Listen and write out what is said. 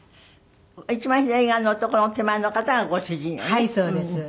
一番左側の男の手前の方がご主人よね？